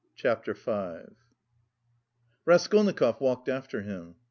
CHAPTER V Raskolnikov walked after him.